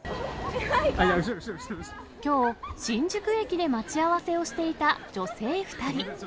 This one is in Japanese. きょう、新宿駅で待ち合わせをしていた女性２人。